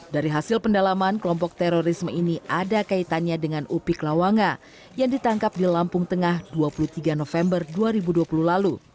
dari hasil pendalaman kelompok terorisme ini ada kaitannya dengan upik lawanga yang ditangkap di lampung tengah dua puluh tiga november dua ribu dua puluh lalu